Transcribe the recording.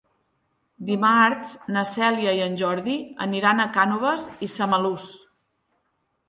Dimarts na Cèlia i en Jordi aniran a Cànoves i Samalús.